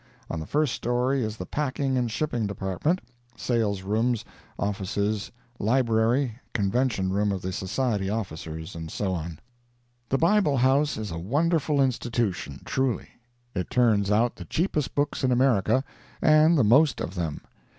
On the first story is the packing and shipping department, sales rooms, offices, library, convention room of the Society officers, and so on. The Bible House is a wonderful institution, truly. It turns out the cheapest books in America, and the most of them.